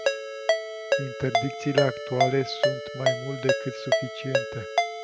Interdicțiile actuale sunt mai mult decât suficiente.